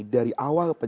dari awal penciptanya